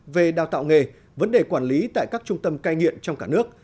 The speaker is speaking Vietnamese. về đào tạo nghề vấn đề quản lý tại các trung tâm cai nghiện trong cả nước